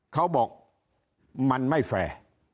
เขาบอกมันไม่แฟร์